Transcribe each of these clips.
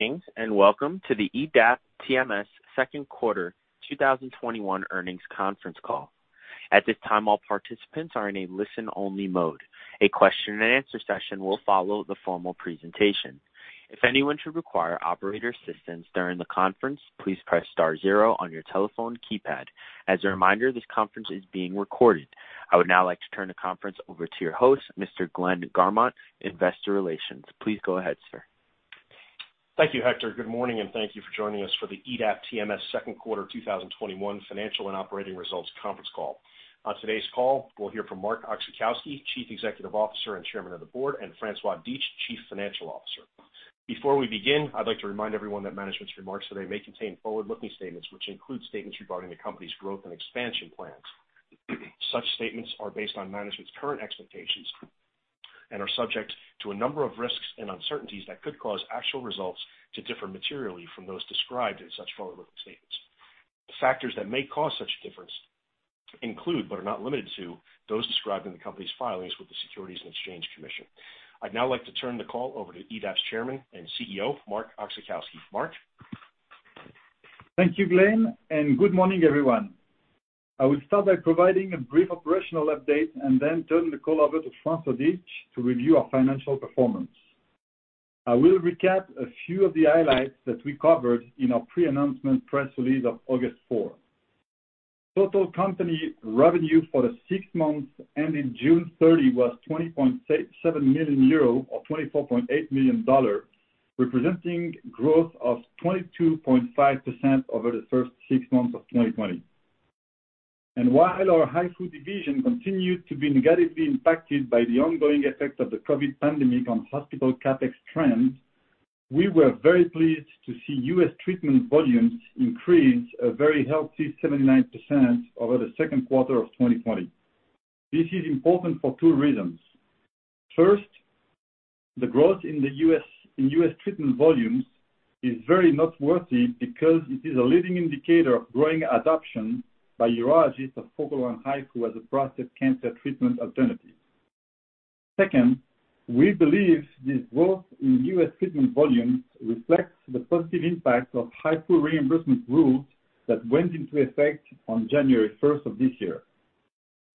Thanks, and welcome to the EDAP TMS Q2 2021 earnings conference call. At this time, all participants are in a listen-only mode. A question and answer session will follow the formal presentation. If anyone should require operator assistance during the conference, please press star zero on your telephone keypad. As a reminder, this conference is being recorded. I would now like to turn the conference over to your host, Mr. Glenn Garmont, investor relations. Please go ahead, sir. Thank you, Hector. Good morning, and thank you for joining us for the EDAP TMS Q2 2021 financial and operating results conference call. On today's call, we'll hear from Marc Oczachowski, Chief Executive Officer and Chairman of the Board, and François Dietsch, Chief Financial Officer. Before we begin, I'd like to remind everyone that management's remarks today may contain forward-looking statements, which include statements regarding the company's growth and expansion plans. Such statements are based on management's current expectations and are subject to a number of risks and uncertainties that could cause actual results to differ materially from those described in such forward-looking statements. The factors that may cause such difference include, but are not limited to, those described in the company's filings with the Securities and Exchange Commission. I'd now like to turn the call over to EDAP's Chairman and CEO, Marc Oczachowski. Marc? Thank you, Glenn. Good morning, everyone. I will start by providing a brief operational update and then turn the call over to François Dietsch to review our financial performance. I will recap a few of the highlights that we covered in our pre-announcement press release of August 4th. Total company revenue for the six months ending June 30th, was 20.7 million euro, or $24.8 million, representing growth of 22.5% over the first six months of 2020. While our HIFU division continued to be negatively impacted by the ongoing effects of the COVID pandemic on hospital CapEx trends, we were very pleased to see U.S. treatment volumes increase a very healthy 79% over the Q2 of 2020. This is important for two reasons. First, the growth in U.S. treatment volumes is very noteworthy because it is a leading indicator of growing adoption by urologists of Focal One HIFU as a prostate cancer treatment alternative. Second, we believe this growth in U.S. treatment volumes reflects the positive impact of HIFU reimbursement rules that went into effect on January 1st, of this year.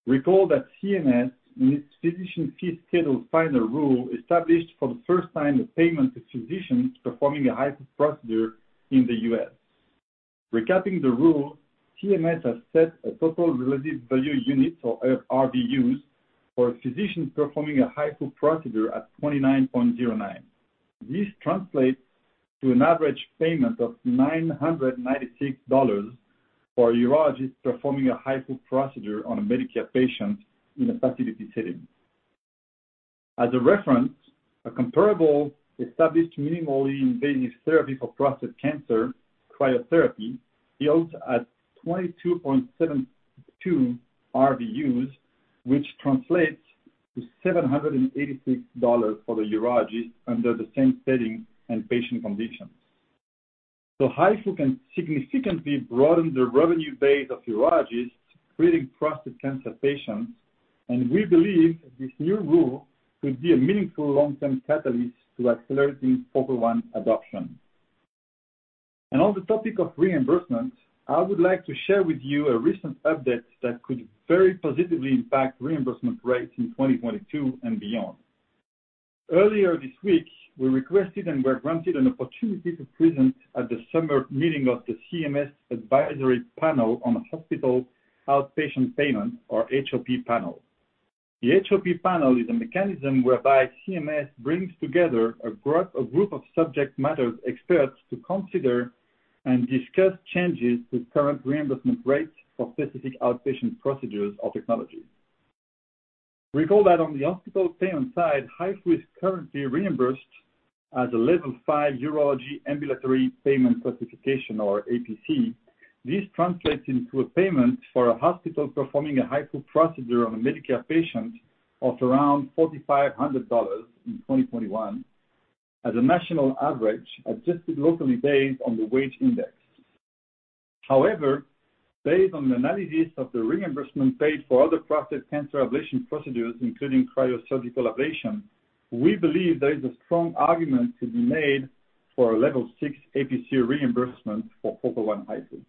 Recall that CMS and its physician fee schedule final rule established for the first time a payment to physicians performing a HIFU procedure in the U.S. Recapping the rule, CMS has set a total relative value unit, or RVUs, for a physician performing a HIFU procedure at 29.09. This translates to an average payment of $996 for a urologist performing a HIFU procedure on a Medicare patient in a facility setting. As a reference, a comparable established minimally invasive therapy for prostate cancer, cryotherapy, yields at 22.72 RVUs, which translates to $786 for the urologist under the same setting and patient conditions. HIFU can significantly broaden the revenue base of urologists treating prostate cancer patients, and we believe this new rule could be a meaningful long-term catalyst to accelerating Focal One adoption. On the topic of reimbursement, I would like to share with you a recent update that could very positively impact reimbursement rates in 2022 and beyond. Earlier this week, we requested and were granted an opportunity to present at the summer meeting of the CMS Advisory Panel on Hospital Outpatient Payment, or HOP Panel. The HOP Panel is a mechanism whereby CMS brings together a group of subject matter experts to consider and discuss changes to current reimbursement rates for specific outpatient procedures or technologies. Recall that on the hospital payment side, HIFU is currently reimbursed as a level 5 urology Ambulatory Payment Classification, or APC. This translates into a payment for a hospital performing a HIFU procedure on a Medicare patient of around $4,500 in 2021 as a national average, adjusted locally based on the wage index. However, based on the analysis of the reimbursement paid for other prostate cancer ablation procedures, including cryosurgical ablation, we believe there is a strong argument to be made for a level 6 APC reimbursement for Focal One HIFU.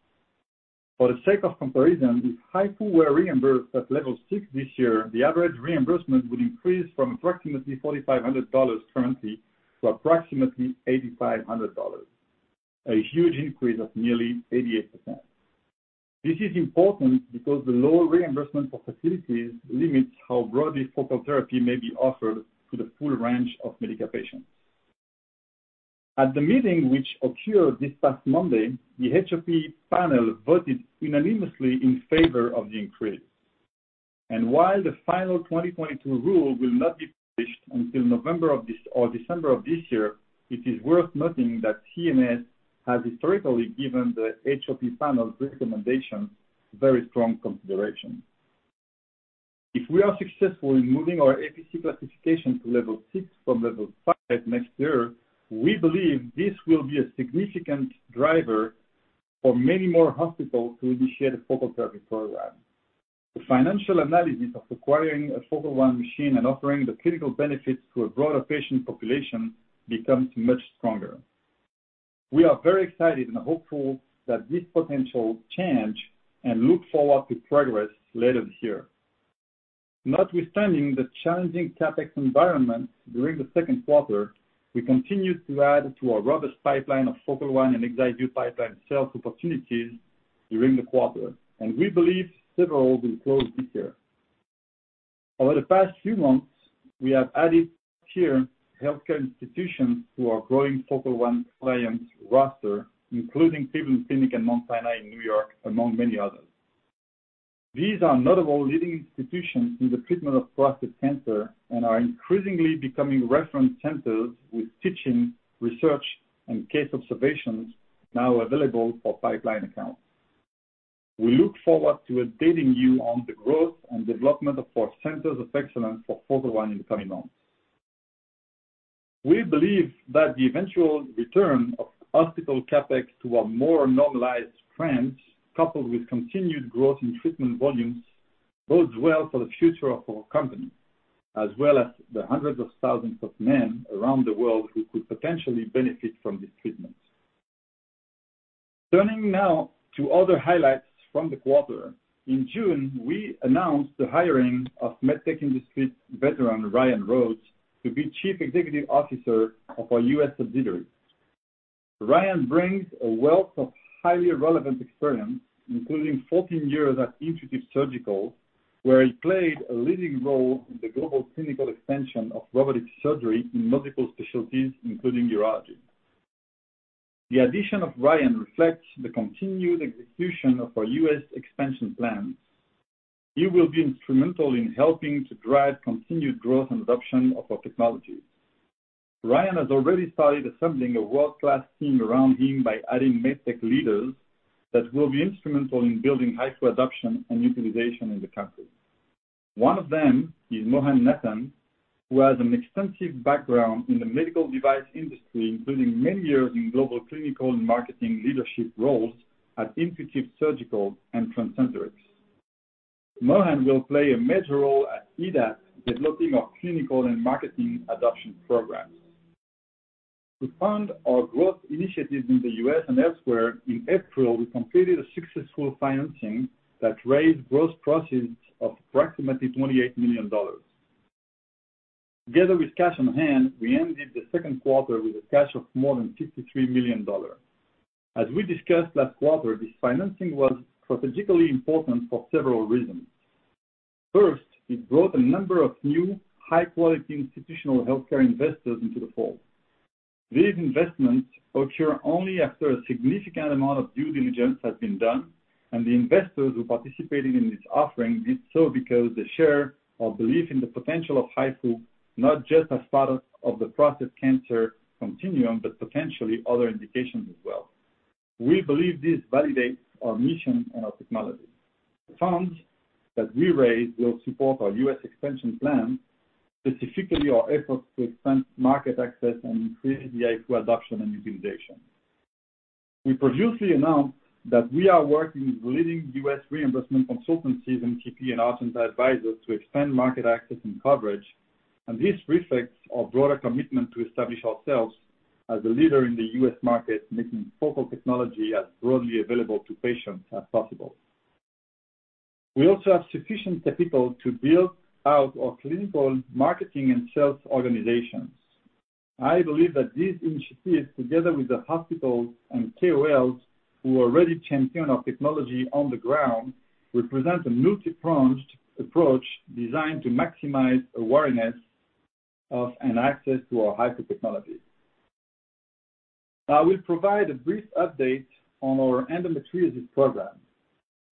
For the sake of comparison, if HIFU were reimbursed at level 6 this year, the average reimbursement would increase from approximately $4,500 currently to approximately $8,500. A huge increase of nearly 88%. This is important because the lower reimbursement for facilities limits how broadly focal therapy may be offered to the full range of Medicare patients. At the meeting which occurred this past Monday, the HOP Panel voted unanimously in favor of the increase. While the final 2022 rule will not be published until November of this or December of this year, it is worth noting that CMS has historically given the HOP Panel's recommendation very strong consideration. If we are successful in moving our APC classification to level 6 from level 5 next year, we believe this will be a significant driver for many more hospitals to initiate a focal therapy program. The financial analysis of acquiring a Focal One machine and offering the clinical benefits to a broader patient population becomes much stronger. We are very excited and hopeful that this potential change and look forward to progress later this year. Notwithstanding the challenging CapEx environment during the Q2, we continued to add to our robust pipeline of Focal One and ExactVu pipeline sales opportunities during the quarter, and we believe several will close this year. Over the past few months, we have added tier healthcare institutions to our growing Focal One clients roster, including Cleveland Clinic and Mount Sinai in New York, among many others. These are notable leading institutions in the treatment of prostate cancer and are increasingly becoming reference centers with teaching, research, and case observations now available for pipeline accounts. We look forward to updating you on the growth and development of our centers of excellence for Focal One in the coming months. We believe that the eventual return of hospital CapEx to a more normalized trend, coupled with continued growth in treatment volumes, bodes well for the future of our company, as well as the hundreds of thousands of men around the world who could potentially benefit from this treatment. Turning now to other highlights from the quarter. In June, we announced the hiring of MedTech industry veteran Ryan Rhodes to be Chief Executive Officer of our U.S. subsidiary. Ryan brings a wealth of highly relevant experience, including 14 years at Intuitive Surgical, where he played a leading role in the global clinical expansion of robotic surgery in multiple specialties, including urology. The addition of Ryan reflects the continued execution of our U.S. expansion plans. He will be instrumental in helping to drive continued growth and adoption of our technologies. Ryan has already started assembling a world-class team around him by adding MedTech leaders that will be instrumental in building HIFU adoption and utilization in the country. One of them is Mohan Nathan, who has an extensive background in the medical device industry, including many years in global clinical and marketing leadership roles at Intuitive Surgical and TransEnterix. Mohan will play a major role at EDAP, developing our clinical and marketing adoption programs. To fund our growth initiatives in the U.S. and elsewhere, in April, we completed a successful financing that raised gross proceeds of approximately $28 million. Together with cash on hand, we ended the Q2 with a cash of more than $53 million. As we discussed last quarter, this financing was strategically important for several reasons. First, it brought a number of new high-quality institutional healthcare investors into the fold. These investments occur only after a significant amount of due diligence has been done, and the investors who participated in this offering did so because they share our belief in the potential of HIFU, not just as part of the prostate cancer continuum, but potentially other indications as well. We believe this validates our mission and our technology. The funds that we raised will support our U.S. expansion plan, specifically our efforts to expand market access and increase the HIFU adoption and utilization. We previously announced that we are working with leading U.S. reimbursement consultancies, MPP and Argenta Advisors, to expand market access and coverage, and this reflects our broader commitment to establish ourselves as a leader in the U.S. market, making Focal One technology as broadly available to patients as possible. We also have sufficient capital to build out our clinical marketing and sales organizations. I believe that these initiatives, together with the hospitals and KOLs who already champion our technology on the ground, represent a multi-pronged approach designed to maximize awareness of and access to our HIFU technology. Now I will provide a brief update on our endometriosis program.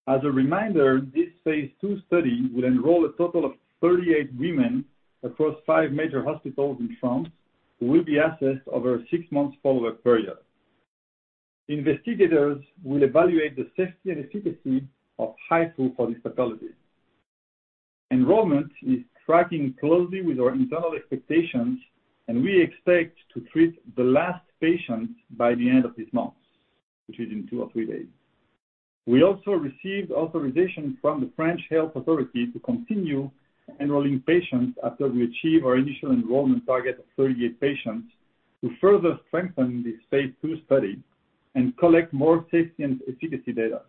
As a reminder, this phase II study will enroll a total of 38 women across five major hospitals in France who will be assessed over a six-month follow-up period. Investigators will evaluate the safety and efficacy of HIFU for this pathology. Enrollment is tracking closely with our internal expectations, and we expect to treat the last patient by the end of this month, which is in two or three days. We also received authorization from the French Health Authority to continue enrolling patients after we achieve our initial enrollment target of 38 patients, to further strengthen this phase II study and collect more safety and efficacy data.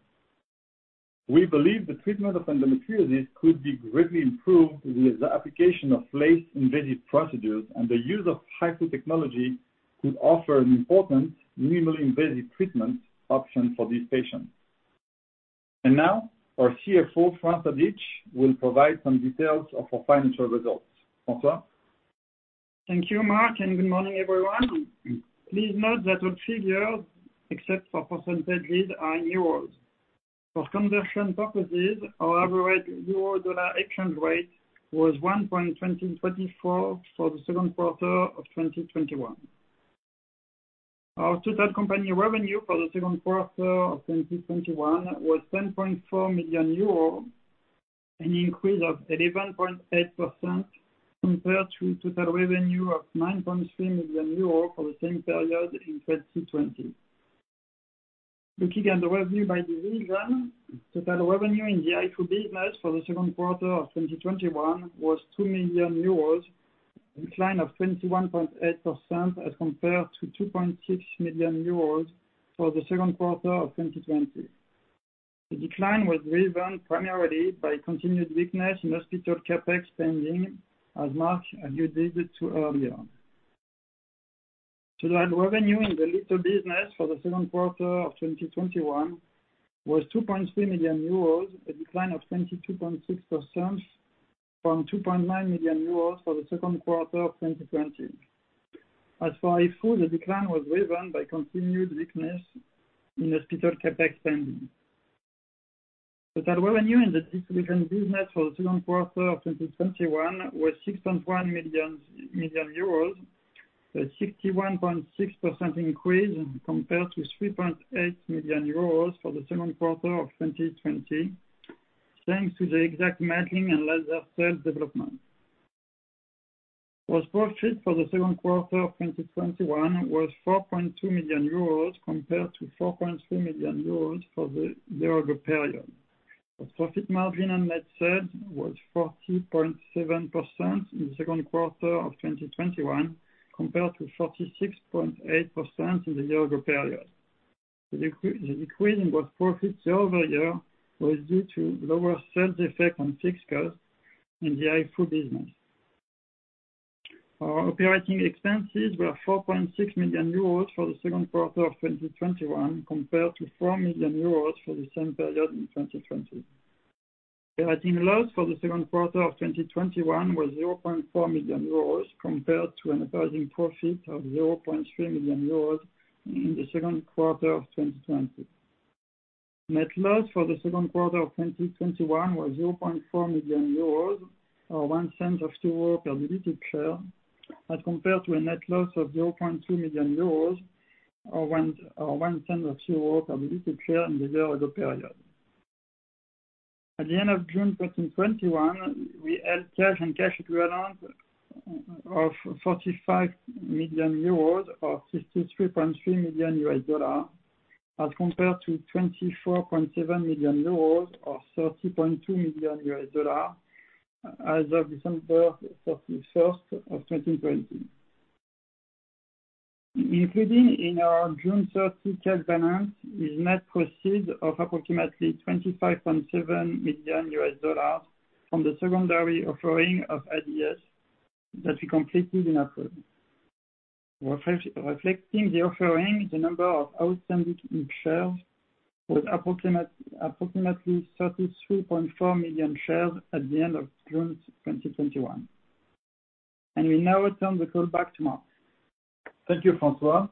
We believe the treatment of endometriosis could be greatly improved with the application of less-invasive procedures, and the use of HIFU technology could offer an important minimally invasive treatment option for these patients. Now our CFO, François Dietsch, will provide some details of our financial results. François? Thank you, Marc, good morning, everyone. Please note that our figures, except for percentages, are in euros. For conversion purposes, our average euro-dollar exchange rate was 1.2024 for the Q2 of 2021. Our total company revenue for the Q2 of 2021 was 10.4 million euros, an increase of 11.8% compared to total revenue of 9.3 million euros for the same period in 2020. Looking at the revenue by division, total revenue in the HIFU business for the Q2 of 2021 was 2 million euros, a decline of 21.8% as compared to 2.6 million euros for the Q2 of 2020. The decline was driven primarily by continued weakness in hospital CapEx spending, as Marc alluded to earlier. Total revenue in the Litho business for the Q2 of 2021 was 2.3 million euros, a decline of 22.6% from 2.9 million euros for the Q2 of 2020. As for HIFU, the decline was driven by continued weakness in hospital CapEx spending. Total revenue in the distribution business for the Q2 of 2021 was 6.1 million euros, a 61.6% increase compared to 3.8 million euros for the Q2 of 2020, thanks to the ExactVu and laser sales development. Gross profit for the Q2 of 2021 was 4.2 million euros compared to 4.3 million euros for the year-ago period. Our profit margin on net sales was 40.7% in the Q2 of 2021, compared to 46.8% in the year-ago period. The decrease in gross profit year-over-year was due to lower sales effect on fixed costs in the HIFU business. Our operating expenses were 4.6 million euros for the Q2 of 2021, compared to 4 million euros for the same period in 2020. Operating loss for the Q2 of 2021 was 0.4 million euros compared to a net profit of EUR 0.3 million in the Q2 of 2020. Net loss for the Q2 of 2021 was 0.4 million euros, or 0.01 per diluted share, as compared to a net loss of 0.2 million euros or 0.01 per diluted share in the year-ago period. At the end of June 2021, we had cash and cash equivalents of 45 million euros or $63.3 million, as compared to 24.7 million euros or $30.2 million as of December 31st, 2020. Including in our June 30th, cash balance is net proceeds of approximately $25.7 million from the secondary offering of ADS that we completed in April. Reflecting the offering, the number of outstanding shares was approximately 33.4 million shares at the end of June 2021. We now return the call back to Marc. Thank you, François.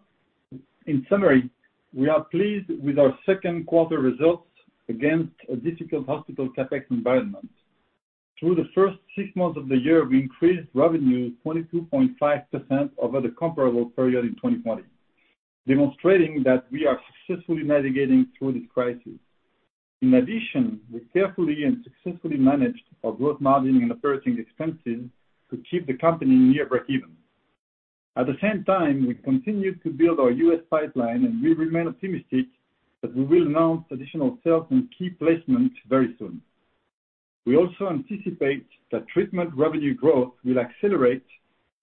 In summary, we are pleased with our Q2 results against a difficult hospital CapEx environment. Through the first six months of the year, we increased revenue 22.5% over the comparable period in 2020, demonstrating that we are successfully navigating through this crisis. In addition, we carefully and successfully managed our gross margin and operating expenses to keep the company near breakeven. At the same time, we continued to build our U.S. pipeline, and we remain optimistic that we will announce additional sales and key placements very soon. We also anticipate that treatment revenue growth will accelerate,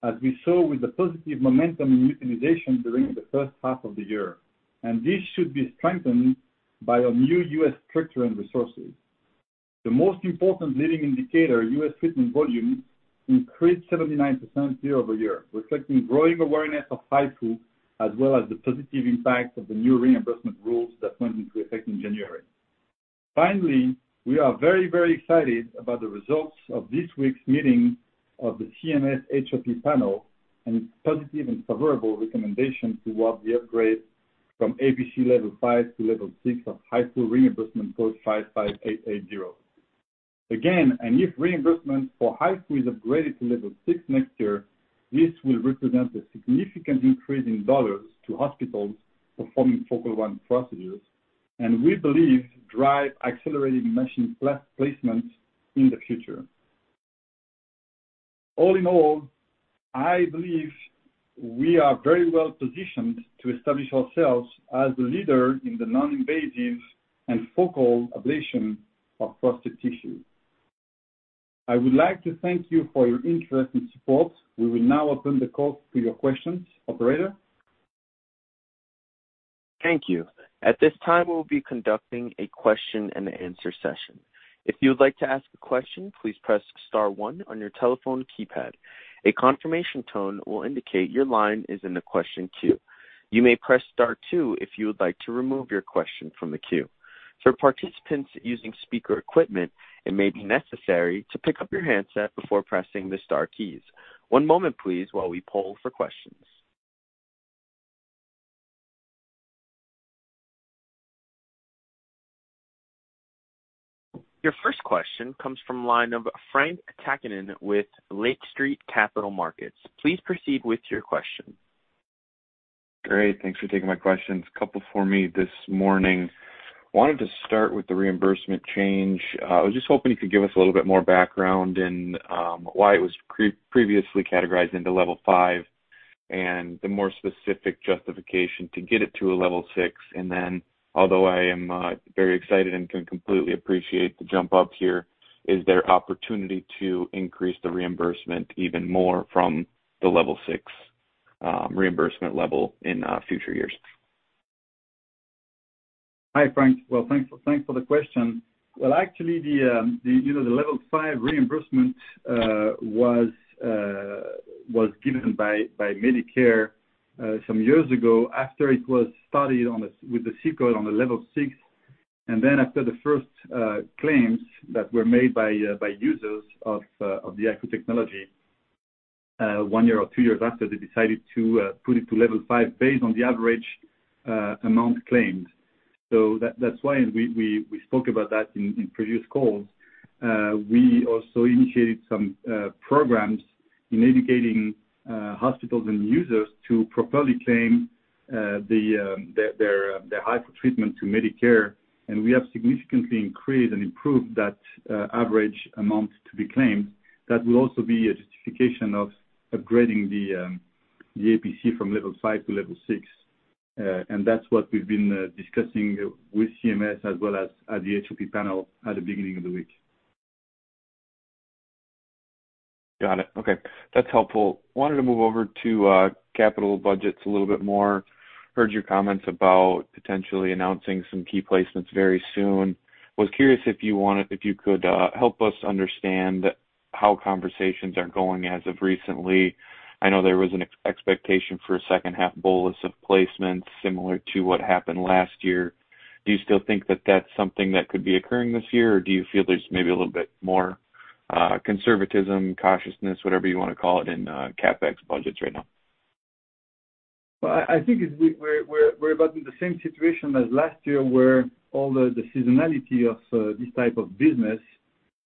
as we saw with the positive momentum in utilization during the H1 of the year, and this should be strengthened by our new U.S. structure and resources. The most important leading indicator, U.S. treatment volumes, increased 79% year-over-year, reflecting growing awareness of HIFU as well as the positive impact of the new reimbursement rules that went into effect in January. We are very excited about the results of this week's meeting of the CMS HOP Panel and its positive and favorable recommendation towards the upgrade from APC level 5 to level 6 of HIFU reimbursement code 55880. A new reimbursement for HIFU is upgraded to level 6 next year. This will represent a significant increase in dollars to hospitals performing Focal One procedures, and we believe drive accelerated machine placements in the future. I believe we are very well positioned to establish ourselves as the leader in the non-invasive and focal ablation of prostate tissue. I would like to thank you for your interest and support. We will now open the call to your questions. Operator? Thank you. At this time, we will be conducting a question-and-answer session. If you would like to ask a question, please press star one on your telephone keypad. A confirmation tone will indicate your line is in the question queue. You may press star two if you would like to remove your question from the queue. For participants using speaker equipment, it may be necessary to pick up your handset before pressing the star keys. One moment, please, while we poll for questions. Your first question comes from line of Frank Takkinen with Lake Street Capital Markets. Please proceed with your question. Great. Thanks for taking my questions. A couple for me this morning. Wanted to start with the reimbursement change. I was just hoping you could give us a little bit more background in why it was previously categorized into level 5, and the more specific justification to get it to a level 6. Although I am very excited and can completely appreciate the jump up here, is there opportunity to increase the reimbursement even more from the level 6 reimbursement level in future years? Hi, Frank. Thanks for the question. Actually, the level 5 reimbursement was given by Medicare some years ago after it was studied with the C-code on the level 6. After the first claims that were made by users of the HIFU technology, one year or two years after, they decided to put it to level 5 based on the average amount claimed. That's why we spoke about that in previous calls. We also initiated some programs in educating hospitals and users to properly claim their HIFU treatment to Medicare. We have significantly increased and improved that average amount to be claimed. That will also be a justification of upgrading the APC from level 5 to level 6. That's what we've been discussing with CMS as well as at the HOP Panel at the beginning of the week. Got it. Okay. That's helpful. Wanted to move over to capital budgets a little bit more. Heard your comments about potentially announcing some key placements very soon. Was curious if you could help us understand how conversations are going as of recently. I know there was an expectation for a H2 bolus of placements, similar to what happened last year. Do you still think that that's something that could be occurring this year, or do you feel there's maybe a little bit more conservatism, cautiousness, whatever you want to call it, in CapEx budgets right now? Well, I think we're about in the same situation as last year, where all the seasonality of this type of business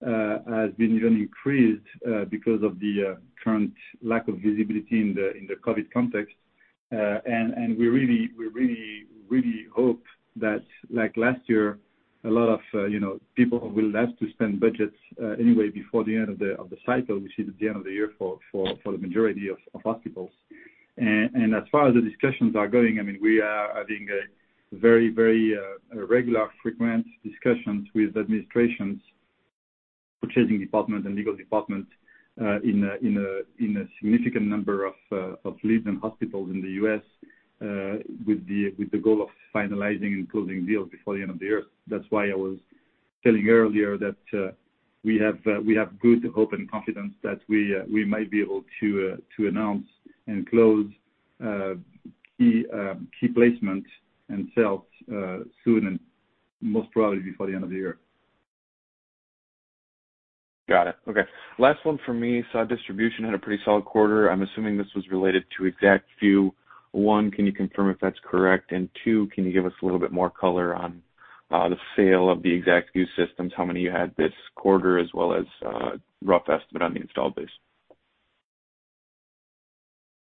has been even increased because of the current lack of visibility in the COVID context. We really hope that, like last year, a lot of people will have to spend budgets anyway before the end of the cycle, which is the end of the year for the majority of hospitals. As far as the discussions are going, we are having very regular, frequent discussions with administrations, purchasing departments, and legal departments in a significant number of leads and hospitals in the U.S. with the goal of finalizing and closing deals before the end of the year. That's why I was telling earlier that we have good hope and confidence that we might be able to announce and close key placements and sales soon, and most probably before the end of the year. Got it. Okay. Last one from me. Saw distribution had a pretty solid quarter. I'm assuming this was related to ExactVu. One, can you confirm if that's correct? Two, can you give us a little bit more color on the sale of the ExactVu systems, how many you had this quarter, as well as a rough estimate on the installed base?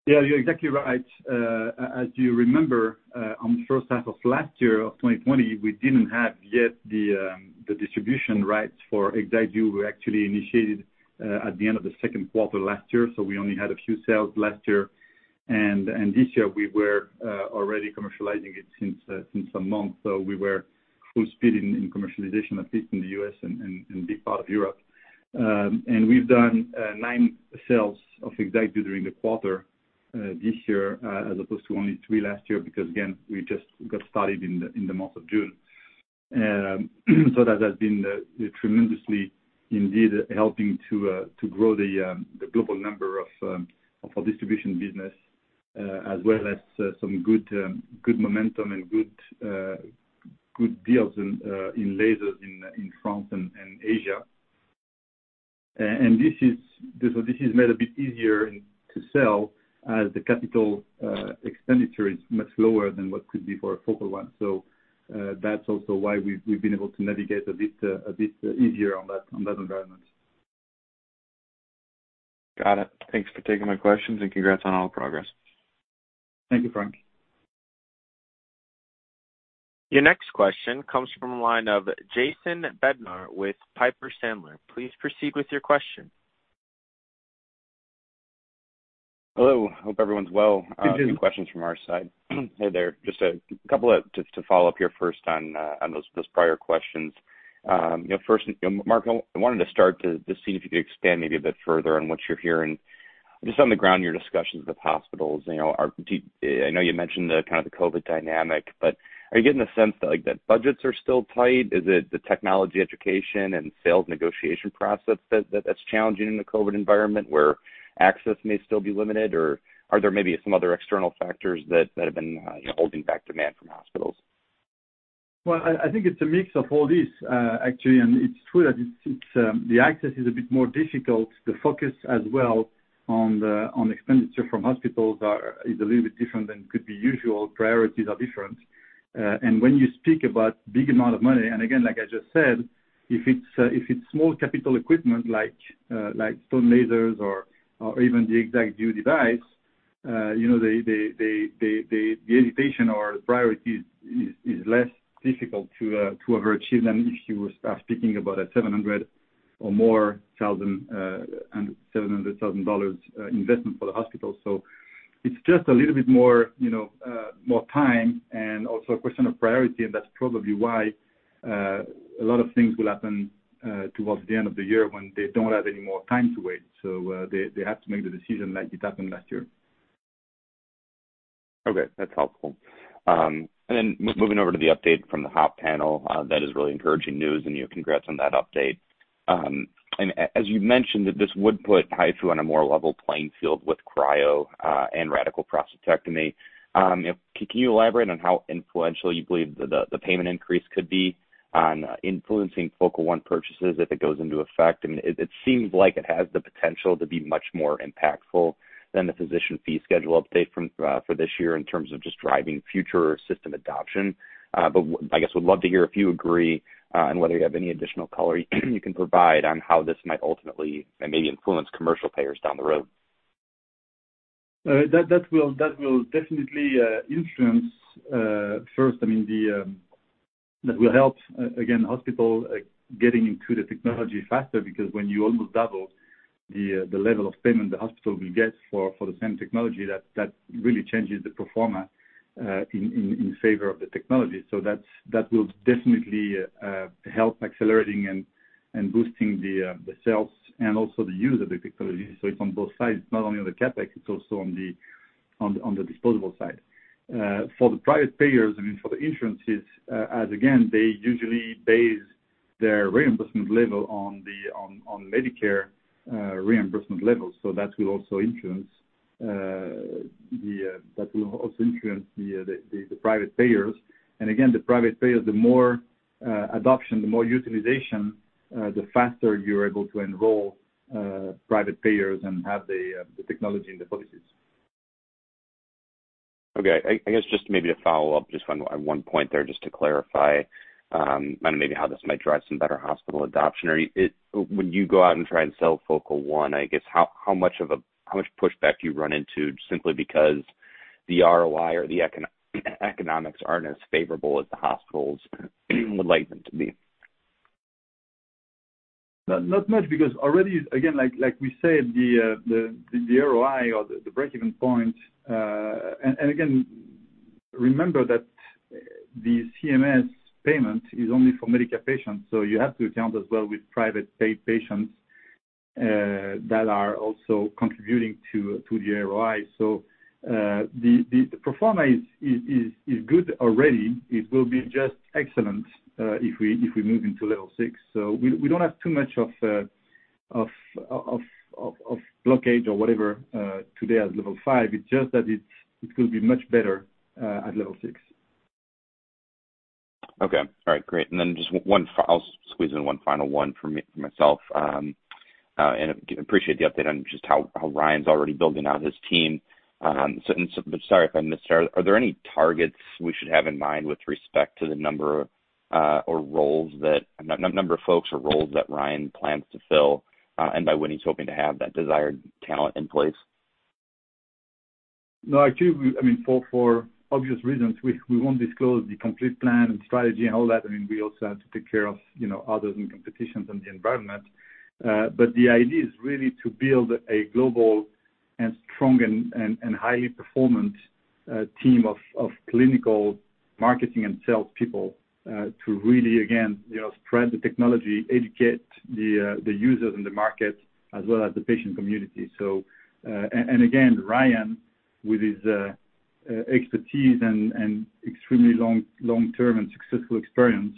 Yeah, you're exactly right. As you remember, on the H1 of last year, of 2020, we didn't have yet the distribution rights for ExactVu. We actually initiated at the end of the Q2 last year, so we only had a few sales last year. This year, we were already commercializing it since some months. We were full speed in commercialization, at least in the U.S. and big part of Europe. We've done nine sales of ExactVu during the quarter this year as opposed to only three last year because, again, we just got started in the month of June. That has been tremendously indeed helping to grow the global number of our distribution business, as well as some good momentum and good deals in lasers in France and Asia. This is made a bit easier to sell as the capital expenditure is much lower than what could be for a Focal One. That's also why we've been able to navigate a bit easier on that environment. Got it. Thanks for taking my questions, and congrats on all the progress. Thank you, Frank. Your next question comes from the line of Jason Bednar with Piper Sandler. Please proceed with your question. Hello, hope everyone's well. Good, too. Few questions from our side. Hey there. Just a couple to follow up here first on those prior questions. First, Marc, I wanted to start to see if you could expand maybe a bit further on what you're hearing, just on the ground, your discussions with hospitals. I know you mentioned kind of the COVID dynamic, but are you getting a sense that budgets are still tight? Is it the technology education and sales negotiation process that's challenging in the COVID environment, where access may still be limited? Are there maybe some other external factors that have been holding back demand from hospitals? Well, I think it's a mix of all these, actually. It's true that the access is a bit more difficult. The focus as well on expenditure from hospitals is a little bit different than could be usual. Priorities are different. When you speak about big amount of money, again, like I just said, if it's small capital equipment like stone lasers or even the ExactVu device, the hesitation or priority is less difficult to overachieve than if you are speaking about a 700 thousand or more and EUR 700,000 investment for the hospital. It's just a little bit more time and also a question of priority, and that's probably why a lot of things will happen towards the end of the year when they don't have any more time to wait. They have to make the decision like it happened last year. Okay, that's helpful. Moving over to the update from the HOP Panel, that is really encouraging news, and congrats on that update. As you mentioned, this would put HIFU on a more level playing field with cryo and radical prostatectomy. Can you elaborate on how influential you believe the payment increase could be on influencing Focal One purchases if it goes into effect? I mean, it seems like it has the potential to be much more impactful than the physician fee schedule update for this year in terms of just driving future system adoption. I guess we'd love to hear if you agree and whether you have any additional color you can provide on how this might ultimately maybe influence commercial payers down the road. That will definitely influence. First, that will help, again, hospitals getting into the technology faster, because when you almost double the level of payment the hospital will get for the same technology, that really changes the pro forma in favor of the technology. That will definitely help accelerating and boosting the sales and also the use of the technology. It's on both sides, not only on the CapEx, it's also on the disposable side. For the private payers, I mean, for the insurances, as again, they usually base their reimbursement level on Medicare reimbursement levels. That will also influence the private payers. Again, the private payers, the more adoption, the more utilization, the faster you're able to enroll private payers and have the technology and the policies. I guess just maybe to follow up just on one point there, just to clarify on maybe how this might drive some better hospital adoption. When you go out and try and sell Focal One, I guess, how much pushback do you run into simply because the ROI or the economics aren't as favorable as the hospitals would like them to be? Not much, because already, again, like we said, the ROI or the break-even point. Again, remember that the CMS payment is only for Medicare patients, you have to account as well with private paid patients that are also contributing to the ROI. The pro forma is good already. It will be just excellent if we move into level 6. We don't have too much of blockage or whatever today at level 5. It's just that it could be much better at level 6. Okay. All right, great. Then I'll squeeze in one final one for myself. Appreciate the update on just how Ryan's already building out his team. Sorry if I missed it, are there any targets we should have in mind with respect to the number of folks or roles that Ryan plans to fill, and by when he's hoping to have that desired talent in place? No, actually, I mean, for obvious reasons, we won't disclose the complete plan and strategy and all that. I mean, we also have to take care of others and competitions and the environment. The idea is really to build a global and strong and highly performant team of clinical marketing and salespeople to really, again, spread the technology, educate the users in the market as well as the patient community. Again, Ryan, with his expertise and extremely long-term and successful experience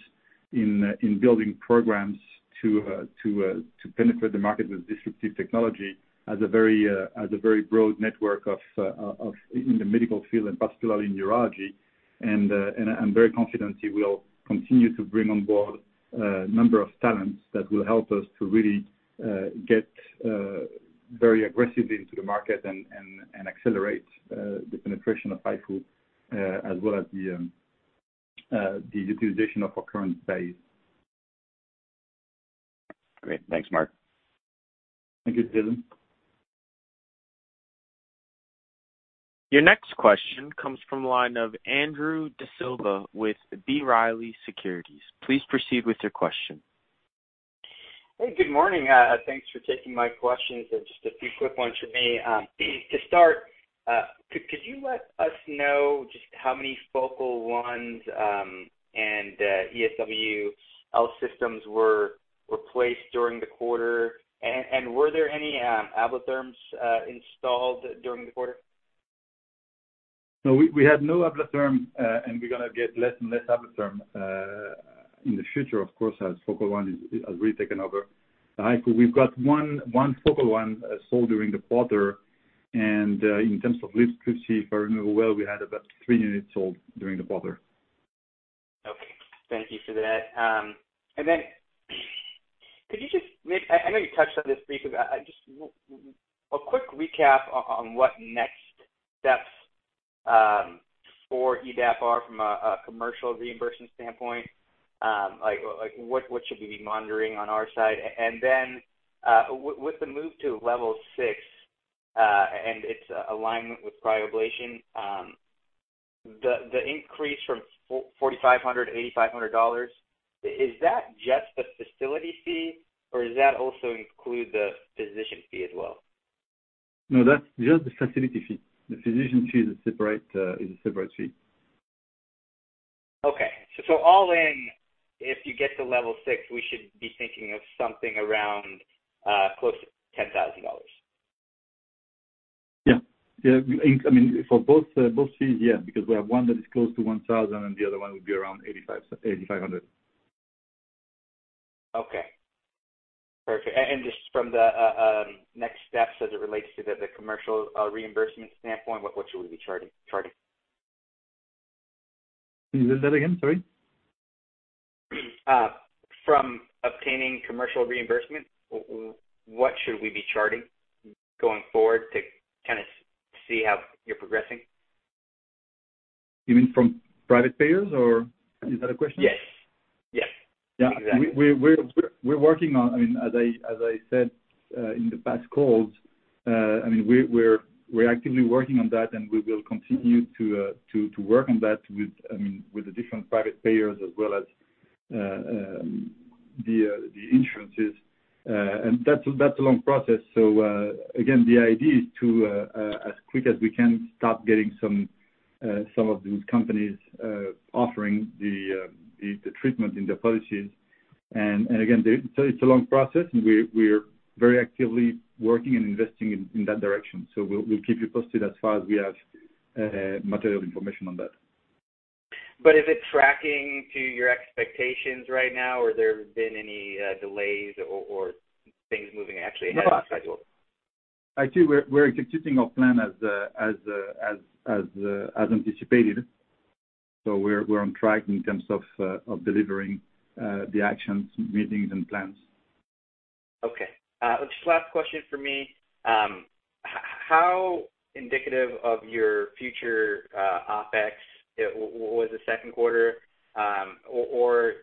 in building programs to penetrate the market with disruptive technology, has a very broad network in the medical field and particularly urology. I'm very confident he will continue to bring on board a number of talents that will help us to really get very aggressively into the market and accelerate the penetration of HIFU as well as the utilization of our current base. Great. Thanks, Marc. Thank you, Jason. Your next question comes from the line of Andrew D'Silva with B. Riley Securities. Please proceed with your question. Hey, good morning. Thanks for taking my questions. Just a few quick ones from me. To start, could you let us know just how many Focal Ones and ESWL systems were replaced during the quarter? Were there any Ablatherms installed during the quarter? We had no Ablatherm, and we're going to get less and less Ablatherm in the future, of course, as Focal One has really taken over the HIFU. We've got one Focal One sold during the quarter, and in terms of Litho let's see, if I remember well, we had about three units sold during the quarter. Okay. Thank you for that. I know you touched on this briefly, but just a quick recap on what next steps for EDAP TMS are from a commercial reimbursement standpoint. What should we be monitoring on our side? With the move to level 6, and its alignment with cryoablation, the increase from $4,500-$8,500, is that just the facility fee or does that also include the physician fee as well? No, that is just the facility fee. The physician fee is a separate fee. Okay. All in, if you get to level 6, we should be thinking of something around close to $10,000. Yeah. For both fees, yeah, because we have one that is close to 1,000, and the other one would be around 8,500. Okay. Perfect. Just from the next steps as it relates to the commercial reimbursement standpoint, what should we be charting? Can you say that again? Sorry. From obtaining commercial reimbursement, what should we be charting going forward to kind of see how you're progressing? You mean from private payers? Is that the question? Yes. Exactly. Yeah. We're working on, as I said in the past calls, we're actively working on that, and we will continue to work on that with the different private payers as well as the insurances. That's a long process. Again, the idea is to, as quick as we can, start getting some of these companies offering the treatment in their policies. Again, it's a long process, and we're very actively working and investing in that direction. We'll keep you posted as far as we have material information on that. Is it tracking to your expectations right now, or there have been any delays or things moving actually ahead of schedule? Actually, we're executing our plan as anticipated. We're on track in terms of delivering the actions, meetings, and plans. Okay. Just last question from me. How indicative of your future OpEx was the Q2?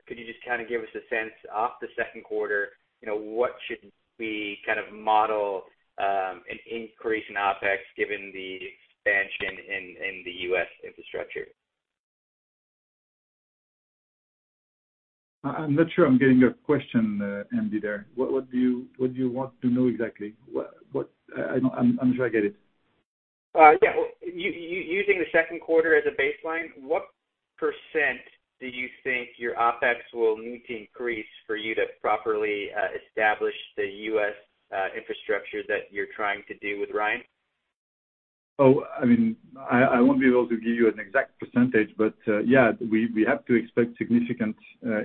Could you just kind of give us a sense off the Q2, what should we kind of model an increase in OpEx given the expansion in the U.S. infrastructure? I'm not sure I'm getting your question, Andy, there. What do you want to know exactly? I'm not sure I get it. Yeah. Using the Q2 as a baseline, what % do you think your OpEx will need to increase for you to properly establish the U.S. infrastructure that you're trying to do with Ryan? I won't be able to give you an exact %, yeah, we have to expect significant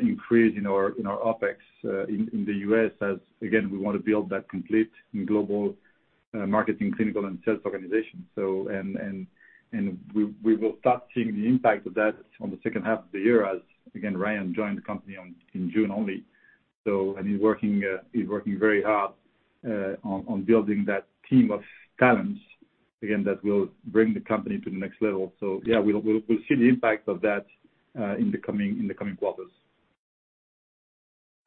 increase in our OpEx in the U.S. as, again, we want to build that complete and global marketing, clinical, and sales organization. We will start seeing the impact of that on the H2 of the year as, again, Ryan joined the company in June only. He's working very hard on building that team of talents, again, that will bring the company to the next level. Yeah, we'll see the impact of that in the coming quarters.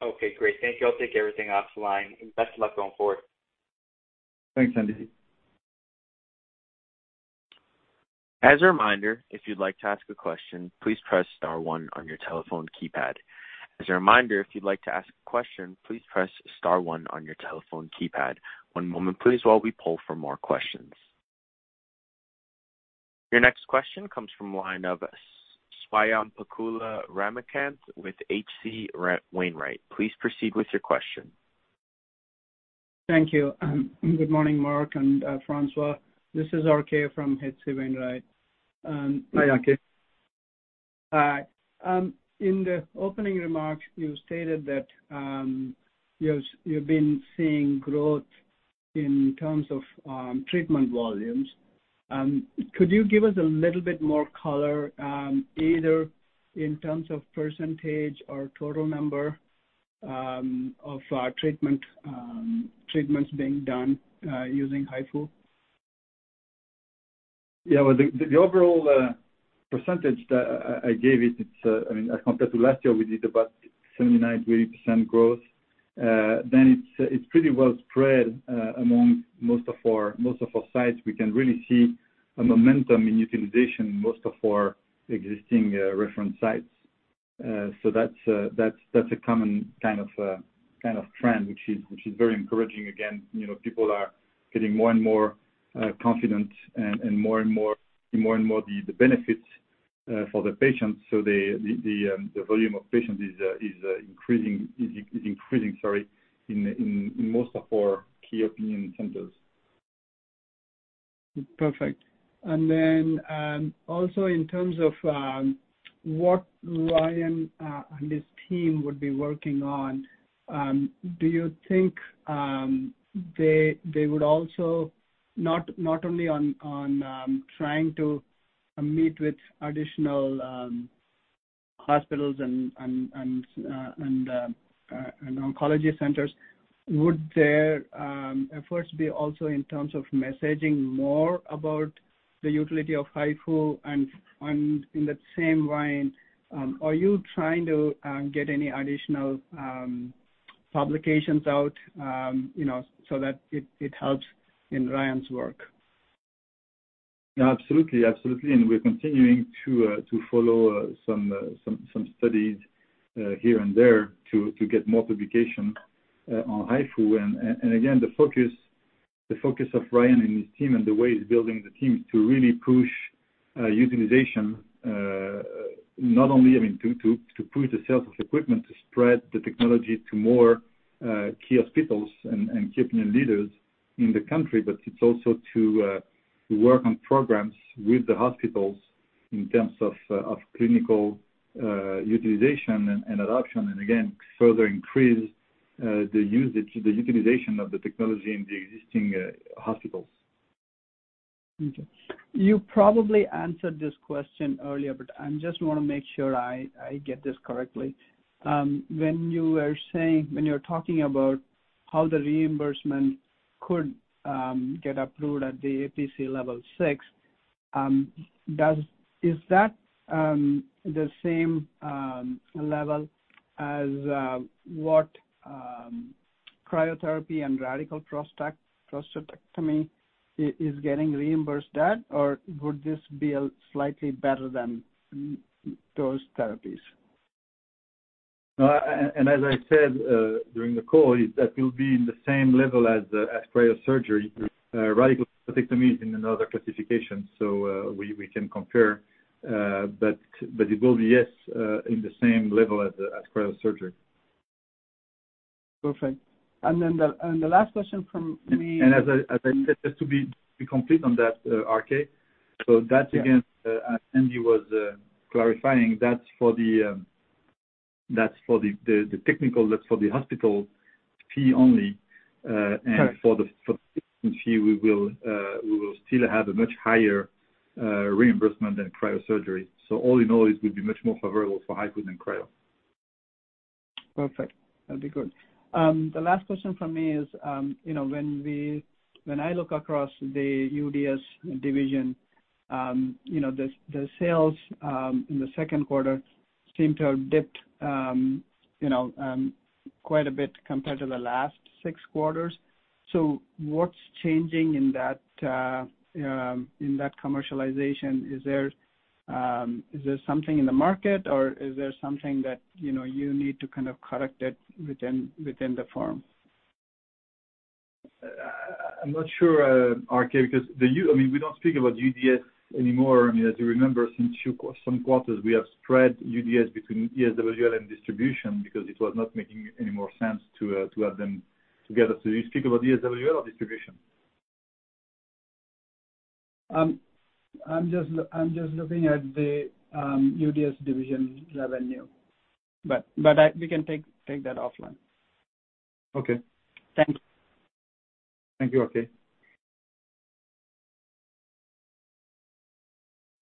Okay, great. Thank you. I'll take everything off the line. Best of luck going forward. Thanks, Andy. As a reminder, if you'd like to ask a question, please press star 1 on your telephone keypad. One moment, please, while we poll for more questions. Your next question comes from the line of Swayampakula Ramakanth with H.C. Wainwright. Please proceed with your question. Thank you. Good morning, Marc and François. This is RK from H.C. Wainwright. Hi, RK. Hi. In the opening remarks, you stated that you've been seeing growth in terms of treatment volumes. Could you give us a little bit more color, either in terms of percentage or total number of treatments being done using HIFU? The overall percentage that I gave it, as compared to last year, we did about 79%-80% growth. It's pretty well spread among most of our sites. We can really see a momentum in utilization in most of our existing reference sites. That's a common kind of trend, which is very encouraging. Again, people are getting more and more confident and more and more the benefits for the patients. The volume of patients is increasing in most of our key opinion centers. Perfect. Also in terms of what Ryan and his team would be working on, do you think they would also not only on trying to meet with additional Hospitals and oncology centers, would their efforts be also in terms of messaging more about the utility of HIFU and in that same line, are you trying to get any additional publications out so that it helps in Ryan's work? Absolutely. We're continuing to follow some studies here and there to get more publication on HIFU. Again, the focus of Ryan and his team and the way he's building the team is to really push utilization, not only to push the sales of equipment, to spread the technology to more key hospitals and opinion leaders in the country, but it's also to work on programs with the hospitals in terms of clinical utilization and adoption. Again, further increase the utilization of the technology in the existing hospitals. Okay. You probably answered this question earlier, but I just want to make sure I get this correctly. When you were talking about how the reimbursement could get approved at the APC level 6, is that the same level as what cryotherapy and radical prostatectomy is getting reimbursed at, or would this be slightly better than those therapies? As I said during the call, is that will be in the same level as cryosurgery. Radical prostatectomy is in another classification, so we can compare, but it will be, yes, in the same level as cryosurgery. Perfect. The last question from me. As I said, just to be complete on that, RK, so that's again, as Angie was clarifying, that's for the technical, that's for the hospital fee only. Correct. For the patient fee, we will still have a much higher reimbursement than cryosurgery. All in all, it will be much more favorable for HIFU than cryo. Perfect. That'd be good. The last question from me is when I look across the UDS division, the sales in the Q2 seem to have dipped quite a bit compared to the last six quarters. What's changing in that commercialization? Is there something in the market, or is there something that you need to kind of correct it within the firm? I'm not sure, RK, because we don't speak about UDS anymore. As you remember, since some quarters, we have spread UDS between ESWL and distribution because it was not making any more sense to have them together. You speak about ESWL or distribution? I'm just looking at the UDS division revenue. We can take that offline. Okay. Thanks. Thank you, RK.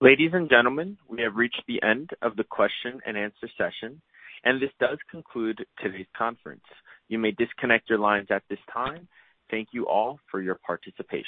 Ladies and gentlemen, we have reached the end of the question and answer session, and this does conclude today's conference. You may disconnect your lines at this time. Thank you all for your participation.